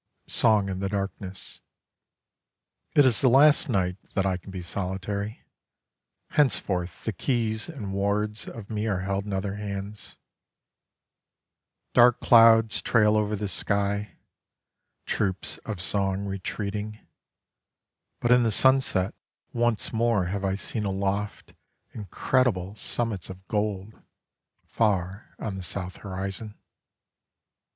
IV SONG IN THE DARKNESS It is the last night that I can be solitary: Henceforth the keys and wards of me are held in other hands. Dark clouds trail over the sky: Troops of song retreating: But in the sunset Once more have I seen aloft Incredible summits of gold, far on the south horizon.